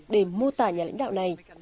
để mô tả nhà lãnh đạo này